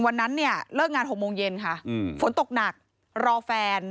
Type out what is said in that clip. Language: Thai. วันนั้นเนี่ยเลิกงาน๖โมงเย็นค่ะฝนตกหนักรอแฟน